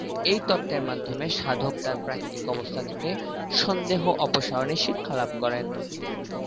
এই তত্ত্বের মাধ্যমে সাধক তার প্রাকৃতিক অবস্থা থেকে সন্দেহ অপসারণের শিক্ষালাভ করেন।